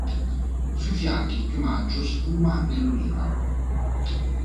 Sui fianchi, il piumaggio sfuma nell'oliva.